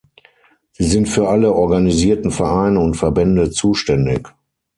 Sie sind für alle organisierten Vereine und Verbände zuständig.